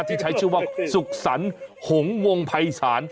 ที่ใช้ชื่อว่าสุขสรรคหงวงภัยศาล